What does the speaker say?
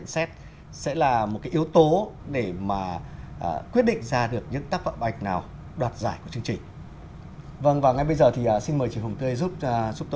xin mời chị đồng tư